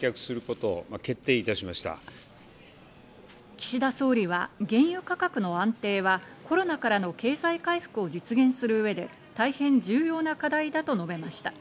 岸田総理は原油価格の安定はコロナからの経済回復を実現する上で大変重要な課題だと述べました。